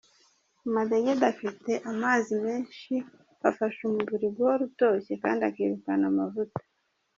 Amadegede afite amzai menshi, afasha umubiri guhora utoshye, kandi akirukana amavuta.